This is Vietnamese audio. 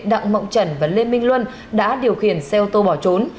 đặng mộng trần và lê minh luân đã điều khiển xe ô tô bỏ trốn